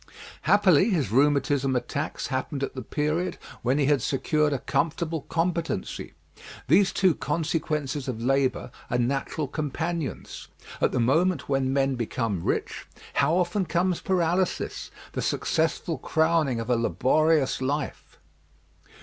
Happily his rheumatism attacks happened at the period when he had secured a comfortable competency. These two consequences of labour are natural companions. At the moment when men become rich, how often comes paralysis the sorrowful crowning of a laborious life!